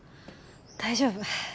大丈夫。